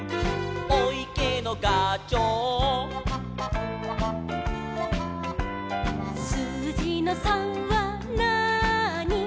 「おいけのがちょう」「すうじの３はなーに」